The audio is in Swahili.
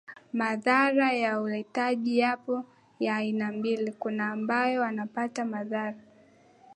Maradhi ya uteja yapo ya aina mbili kuna ambao wanapata maradhi